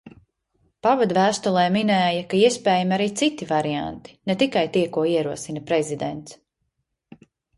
Pavadvēstulē minēja, ka iespējami arī citi varianti, ne tikai tie, ko ierosina Prezidents.